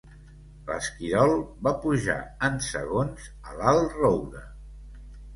L'esquirol va pujar en segons a l'alt roure.